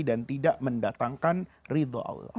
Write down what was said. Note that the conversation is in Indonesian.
dan tidak mendatangkan ridho allah